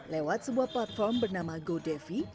lewat sebuah platform bernama godevi